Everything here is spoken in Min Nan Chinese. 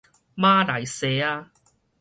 馬來西亞